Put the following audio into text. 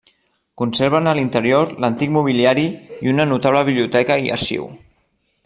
Conserven a l'interior l'antic mobiliari i una notable biblioteca i arxiu.